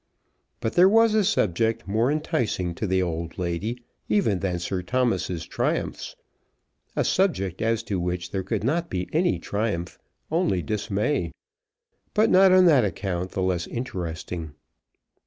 But there was a subject more enticing to the old lady even than Sir Thomas's triumphs; a subject as to which there could not be any triumph, only dismay; but not, on that account, the less interesting.